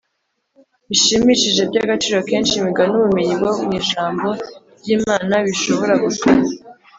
Bishimishije by agaciro kenshi imigani ubumenyi bwo mu ijambo ry imana bushobora gutuma